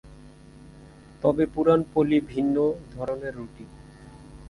তবে পুরান পলি ভিন্ন ধরনের রুটি।